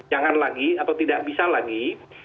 jangan lagi atau tidak bisa lagi